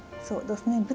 そうどすね。